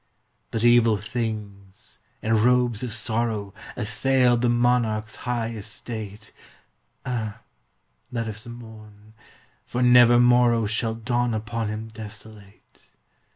But evil things, in robes of sorrow, Assailed the monarch's high estate. (Ah, let us mourn! for never morrow Shall dawn upon him desolate